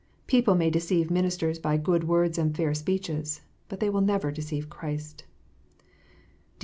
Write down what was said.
People may deceive ministers by "good words and fair speeches," but they will never deceive Christ.